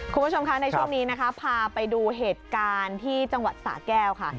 คุณผู้ชมคะในช่วงนี้นะคะพาไปดูเหตุการณ์ที่จังหวัดสะแก้วค่ะ